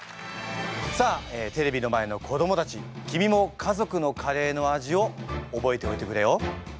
さあテレビの前の子どもたち君も家族のカレーの味を覚えておいてくれよ。